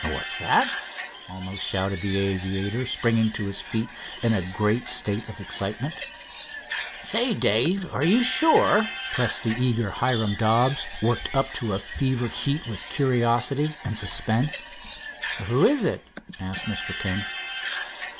"What's that?" almost shouted the aviator, springing to his feet, in a great state of excitement. "Say, Dave, are you sure?" pressed the eager Hiram Dobbs, worked up to fever heat with curiosity and suspense. "Who was it?" asked Mr. King.